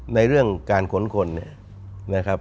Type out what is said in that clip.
ในเรื่องการขนขนเนี่ย